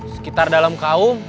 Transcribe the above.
sekitar dalam kaum